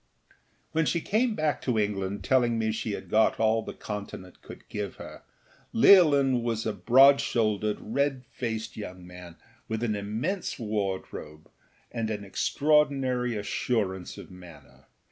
When she came back to England, telling me she had got all the continent could give her, Leolin was a broad shouldered, red faced young man, with an immense wardrobe and an extraordinary assurance of manner.